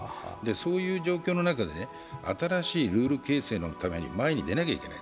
そういう状況の中で新しいルール形成のために前に出なきゃいけない。